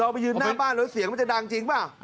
ไปยืนหน้าบ้านแล้วเสียงมันจะดังจริงเปล่า